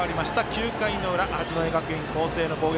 ９回の裏、八戸学院光星の攻撃。